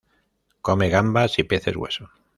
Come gambas y peces hueso.